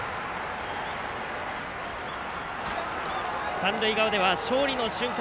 三塁側では勝利の瞬間